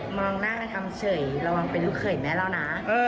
มองหน้าทำเฉยระวังเป็นลูกเขยแม่เรานะ